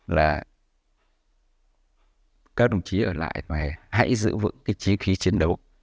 là các đồng chí ở lại và hãy giữ vững cái chí khí chiến đấu